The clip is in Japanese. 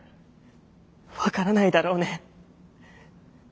分からないだろうね。